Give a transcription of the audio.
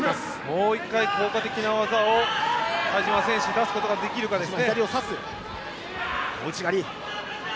もう１回効果的な技を田嶋選手が出すことができるかですね。